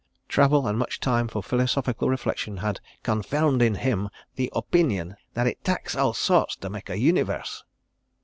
... Travel and much time for philosophical reflection had confairrmed in him the opeenion that it tak's all sorrts to mak' a Univairse.